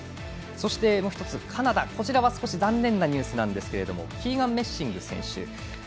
そして、もう１つカナダ、こちらは残念なニュースなんですがキーガン・メッシング選手。